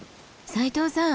齋藤さん